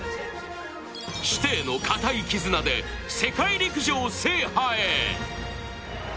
師弟の固い絆で世界陸上制覇へ。